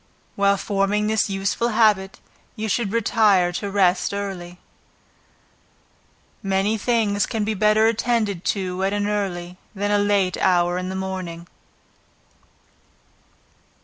While forming this useful habit, you should retire to rest early. Many things can be better attended to at an early, than a late hour in the morning.